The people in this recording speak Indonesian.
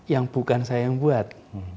yang bukan saya yang buat